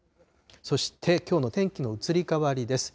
そして、きょうの天気の移り変わりです。